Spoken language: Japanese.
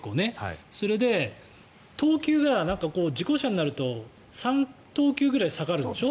それで、等級が事故車になると３等級ぐらい下がるんでしょ？